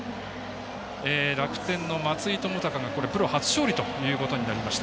楽天の松井友飛がプロ初勝利となりました。